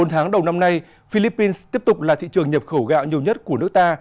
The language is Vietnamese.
bốn tháng đầu năm nay philippines tiếp tục là thị trường nhập khẩu gạo nhiều nhất của nước ta